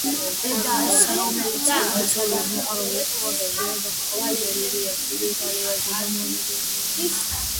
დედას, რომელიც თავგადასავლების მოყვარული იყო, ბავშვი ხშირად დაჰყავდა ბელგიაში, იტალიასა და მონაკოში.